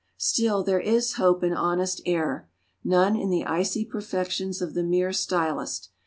Still there is hope in honest error: none in the icy perfections of the mere stylist.